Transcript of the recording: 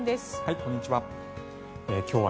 こんにちは。